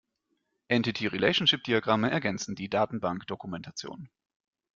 Entity-Relationship-Diagramme ergänzen die Datenbankdokumentation.